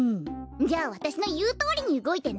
じゃあわたしのいうとおりにうごいてね。